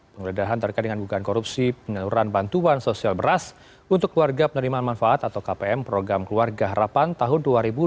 penggeledahan terkait dengan bukaan korupsi penyeluruhan bantuan sosial beras untuk keluarga penerimaan manfaat atau kpm program keluarga harapan tahun dua ribu dua puluh dua ribu dua puluh satu